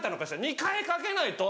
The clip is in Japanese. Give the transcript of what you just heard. ２回かけないと。